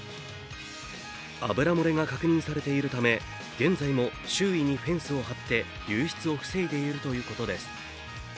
油漏れが確認されているため現在も周囲にフェンスを張って流出を防いでいるということです。